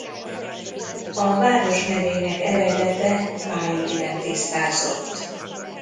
A város nevének eredete máig nem tisztázott.